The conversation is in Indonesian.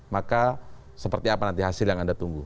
maka seperti apa nanti hasil yang anda tunggu